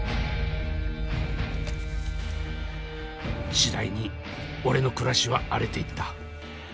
次第に俺の暮らしは荒れていった。